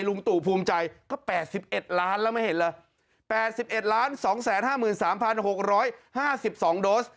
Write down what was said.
ลุงตู่ภูมิใจก็แปดสิบเอ็ดล้านแล้วไม่เห็นเหรอแปดสิบเอ็ดล้านสองแสนห้ามือสามพันหกร้อยห้าสิบสองโดส